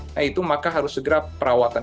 nah itu maka harus segera perawatan